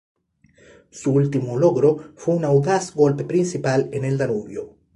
Su último logro fue un audaz golpe principal en el Danubio.